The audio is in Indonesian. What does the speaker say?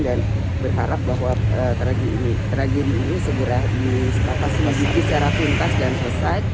dan berharap bahwa tragedi ini segera disatasi sempat secara tuntas dan selesai